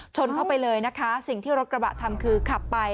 ชนเข้าไปเลยนะคะสิ่งที่รถกระบะทำคือขับไป